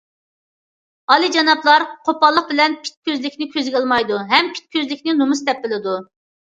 ئالىيجانابلار قوپاللىق بىلەن پىت كۆزلۈكنى كۆزگە ئىلمايدۇ ھەم پىت كۆزلۈكنى نومۇس، دەپ بىلىدۇ.